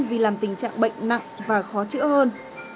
vì làm tình trạng bệnh nặng và khó chữa hơn